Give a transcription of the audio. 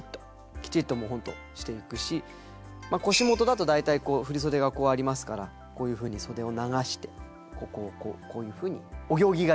きちっとホントしていくし腰元だと大体振り袖がこうありますからこういうふうに袖を流してここをこういうふうに。